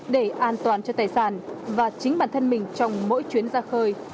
để an toàn cho tài sản và chính bản thân mình trong mỗi chuyến ra khơi